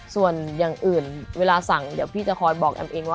ส่วนอย่างอื่นเวลาสั่งเดี๋ยวพี่จะคอยบอกแอมเองว่า